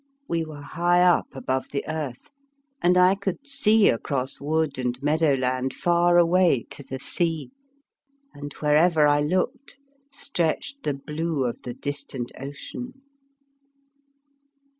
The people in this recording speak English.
We were high up above the earth, and I could see across wood and meadow land far away to the sea, and wherever I looked stretched the blue of the distant ocean.